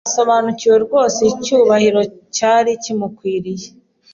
basobanukiwe rwose icyubahiro cyari kimukwiriye